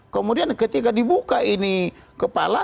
kemudian ketika dibuka ini kepala